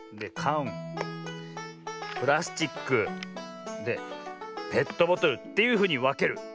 かんプラスチックペットボトルっていうふうにわける。